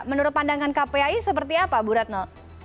menurut pandangan kpai seperti apa bu retno